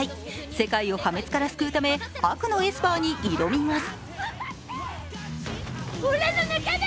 世界を破滅から救うため、悪のエスパーに挑みます。